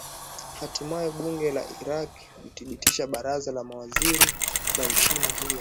hatimaye bunge la iraq lathibitisha baraza la mawaziri la nchi hiyo